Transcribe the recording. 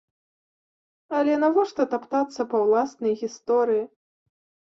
Але навошта таптацца па ўласнай гісторыі?